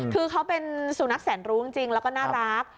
คือเขาเป็นสุนัขแสนรู้จริงแล้วก็น่ารัก